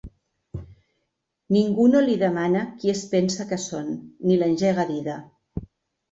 Ningú no li demana qui es pensa que són ni l'engega a dida.